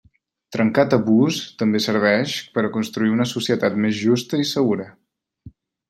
Trencar tabús també serveix per a construir una societat més justa i segura.